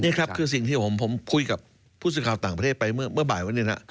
นี่ครับคือสิ่งที่ผมคุยกับผู้สื่อข่าวต่างประเทศไปเมื่อบ่ายวันนี้นะ